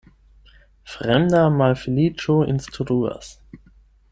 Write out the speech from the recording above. Fremda malfeliĉo instruas.